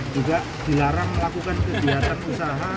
juga dilarang melakukan kegiatan usaha